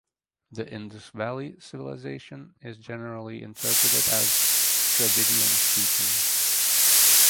The Indus Valley Civilization is generally interpreted as Dravidian speaking.